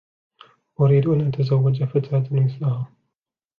أريد أن أتزوج فتاة مثلها.